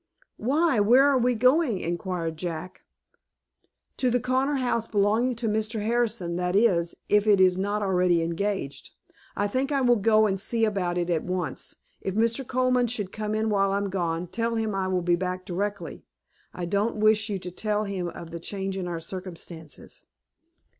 "Why, where are you going?" inquired Jack. "To the corner house belonging to Mr. Harrison, that is, if it is not already engaged. I think I will go and see about it at once. If Mr. Colman should come in while I am gone, tell him I will be back directly; I don't wish you to tell him of the change in our circumstances."